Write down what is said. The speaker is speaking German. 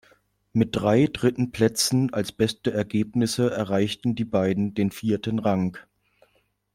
Mit drei dritten Plätzen als beste Ergebnisse erreichten die beiden den vierten Rang.